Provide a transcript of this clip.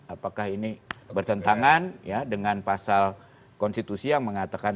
apakah ini bertentangan ya dengan pasal konstitusi yang mengatakan